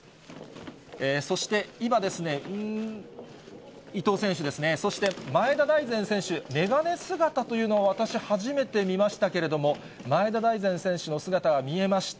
そして、今ですね、伊東選手ですね、そして前田大然選手、眼鏡姿というのを私、初めて見ましたけれども、前田大然選手の姿が見えました。